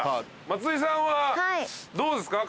松井さんはどうですか？